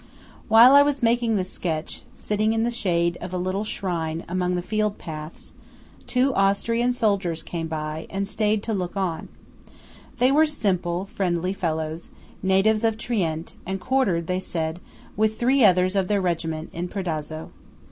PREDAZZO. While I was making the sketch–sitting in the shade of a little shrine among the field paths–two Austrian soldiers came by, and stayed to look on. They were simple, friendly fellows, natives of Trient, and quartered, they said, with three others of their regiment, in Predazzo.